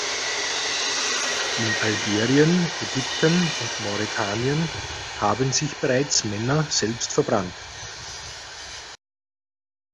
In Algerien, Ägypten und Mauretanien haben sich bereits Männer selbst verbrannt.